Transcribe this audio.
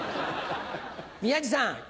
宮治さん。